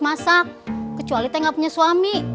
masak kecuali teh gak punya suami